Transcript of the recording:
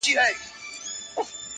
چي پښتانه په جبر نه، خو په رضا سمېږي -